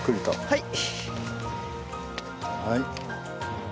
はい。